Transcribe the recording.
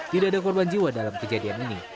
tidak ada korban jiwa dalam kejadian ini